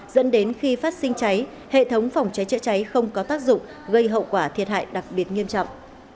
dẫn đến khi phát sinh cháy hệ thống phòng cháy chữa cháy không có tác dụng gây hậu quả thiệt hại đặc biệt nghiêm trọng